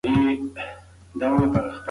دا بحث لا روان دی.